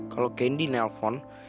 kalau kendi nelfon